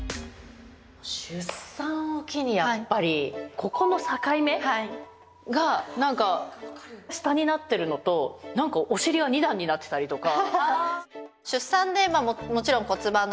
出産を機にやっぱりここの境目が下になっているのとなんかお尻が２段になってたりとか。